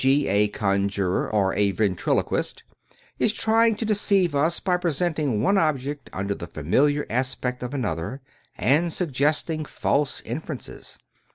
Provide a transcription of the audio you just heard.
g., a conjurer or a ventriloquist, is trying to deceive us by presenting one object under the familiar aspect of another, and suggesting false inferences.